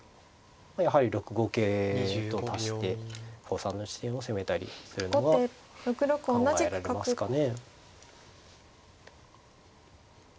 やはり６五桂と足して５三の地点を攻めたりするのが考えられますかね。